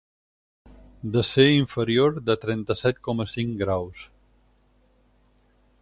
De ser inferior de trenta-set coma cinc graus.